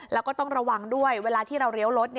แล้วก็ต้องระวังด้วยเวลาที่เราเลี้ยวรถ